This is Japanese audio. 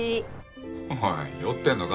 おい酔ってんのか？